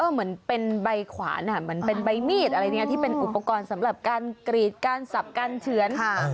เหมือนเป็นใบขวานเหมือนเป็นใบมีดอะไรเนี่ยที่เป็นอุปกรณ์สำหรับการกรีดการสับการเฉือน